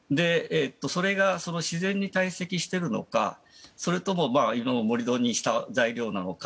それ以外は自然に堆積しているのかそれとも盛り土にした材料なのか